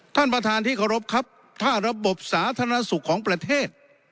ท่านประธานที่เคารพครับถ้าระบบสาธารณสุขของประเทศ